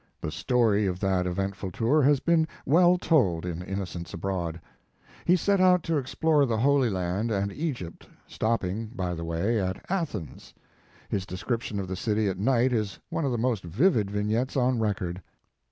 The story of that eventful tour has been well told in "Innocents Abroad." He set out to explore the Holy L,and and Egypt, stopping, by the way, at Athens. His description of the city at night is one of the most vivid vignettes on record.